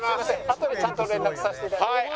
あとでちゃんと連絡させて頂きます。